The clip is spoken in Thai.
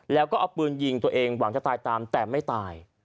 แล้วก็เอาปืนยิงตัวเองหวังจะตายตามแต่ไม่ตาย